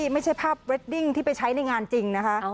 ไม่ใช่ภาพเรดดิ้งที่ไปใช้ในงานจริงนะคะ